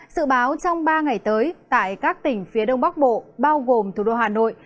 sự báo trong ba ngày tới tại các tỉnh phía đông bắc bộ bao gồm thủ đô hà nội